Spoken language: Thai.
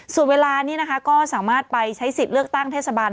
ส่วนเวลานี้นะคะก็สามารถไปใช้สิทธิ์เลือกตั้งเทศบาล